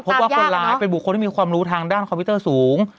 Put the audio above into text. พบว่าคนร้ายเป็นบุคคลที่มีความรู้ทางด้านคอมพิวเตอร์สูง